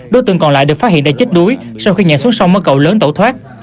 đối tượng còn lại được phát hiện đã chết đuối sau khi nhảy xuống sông mất cậu lớn tẩu thoát